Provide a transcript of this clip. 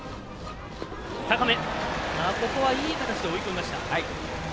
ここはいい形で追い込みました。